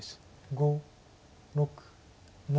５６７。